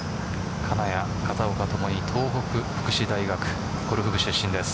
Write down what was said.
金谷、片岡ともに東北福祉大学ゴルフ部出身です。